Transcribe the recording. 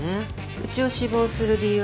うちを志望する理由は？